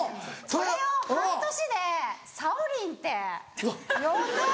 それを半年で「さおりん」って呼んで。